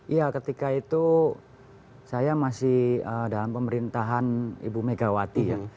iya ketika itu saya masih dalam pemerintahan ibu megawati ya